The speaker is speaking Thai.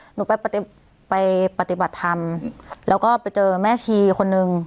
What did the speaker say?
หนูไปไปปฏิบัติธรรมแล้วก็ไปเจอแม่ชีคนนึง